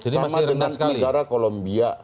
sama dengan negara kolombia